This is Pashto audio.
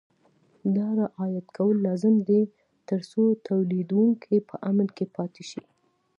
دا رعایت کول لازمي دي ترڅو تولیدوونکي په امن کې پاتې شي.